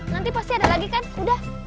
nanti pasti ada lagi kan udah